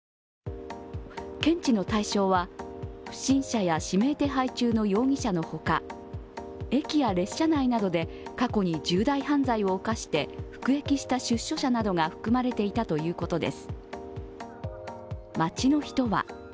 検知の対象は不審者や指名手配中の容疑者の他駅や列車内などで過去に重大犯罪を犯して服役した出所者などが含まれていたということです。